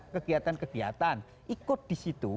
kegiatan kegiatan ikut di situ